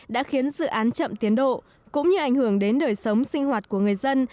đã khiến dự án chậm tiến độ cũng như ảnh hưởng đến đời sống sinh hoạt của người dân